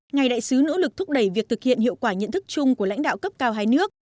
ngài đại sứ nỗ lực thúc đẩy việc thực hiện hiệu quả nhận thức chung của lãnh đạo cấp cao hai nước